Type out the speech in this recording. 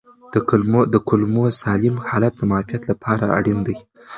د کولمو سالم حالت د معافیت لپاره اړین دی.